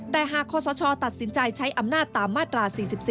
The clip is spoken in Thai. แต่หากคศตัดสินใจใช้อำนาจตามมาตรา๔๔